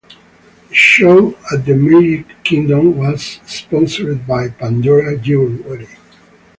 The show at the Magic Kingdom was sponsored by Pandora Jewelry.